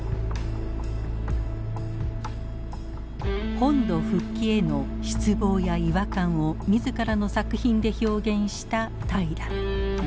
本土復帰への失望や違和感を自らの作品で表現した平良。